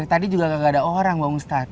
tadi juga gak ada orang bang ustadz